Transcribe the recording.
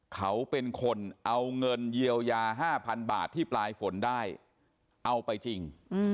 เขาเป็นคนเอาเงินเยียวยา๕๐๐๐บาทที่ปลายฝนได้เอาไปจริง